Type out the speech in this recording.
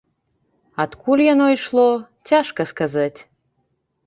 Адкуль яно ішло, цяжка сказаць.